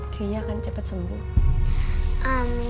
kaya akan cepet sembuh amin amin